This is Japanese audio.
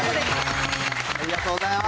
ありがとうございます。